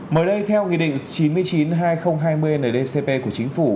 mới đây theo nghị định chín mươi chín hai nghìn hai mươi ndcp của chính phủ